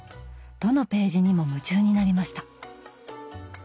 どのページにも夢中になりました。